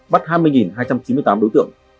bắt hai mươi hai trăm chín mươi tám đối tượng